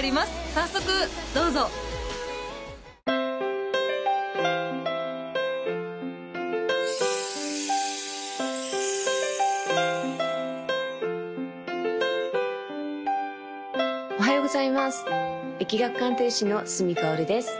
早速どうぞおはようございます易学鑑定士の角かおるです